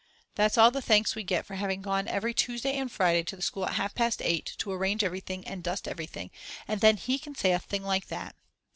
That's all the thanks we get for having gone every Tuesday and Friday to the school at half past 8 to arrange everything and dust everything and then he can say a thing like that.